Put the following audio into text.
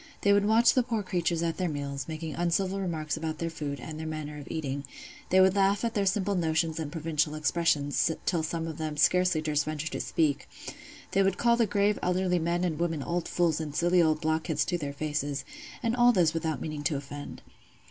They would watch the poor creatures at their meals, making uncivil remarks about their food, and their manner of eating; they would laugh at their simple notions and provincial expressions, till some of them scarcely durst venture to speak; they would call the grave elderly men and women old fools and silly old blockheads to their faces: and all this without meaning to offend.